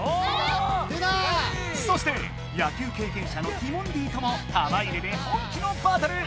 そして野球経験者のティモンディとも玉入れで本気のバトル！